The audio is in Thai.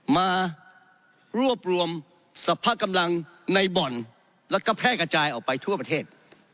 มารวบรวมสรรพกำลังในบ่อนแล้วก็แพร่กระจายออกไปทั่วประเทศ